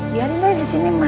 biarin aja disini mak